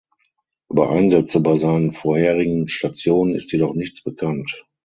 Über Einsätze bei seinen vorherigen Stationen ist jedoch nichts bekannt.